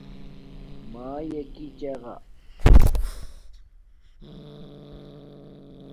مݳیݺ کݵ چغݳ.